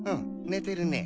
寝てるね。